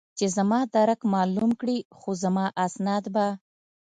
چې زما درک معلوم کړي، خو زما اسناد به.